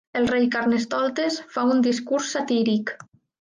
El rei Carnestoltes fa un discurs satíric.